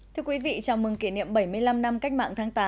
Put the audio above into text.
thưa quý vị chào mừng kỷ niệm bảy mươi năm năm cách mạng tháng tám